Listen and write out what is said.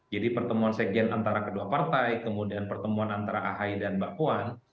jadi pertemuan sekjen antara kedua partai kemudian pertemuan antara ahi dan mbak puan